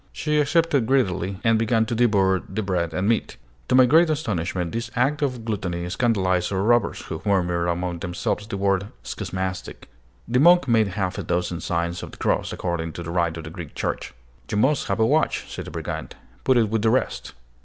She accepted greedily, and began to devour the bread and meat. To my great astonishment, this act of gluttony scandalized our robbers, who murmured among themselves the word "Schismatic:" The monk made half a dozen signs of the cross, according to the rite of the Greek Church. "You must have a watch," said the brigand: "put it with the rest."